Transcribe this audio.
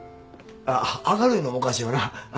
上がるいうのもおかしいよな。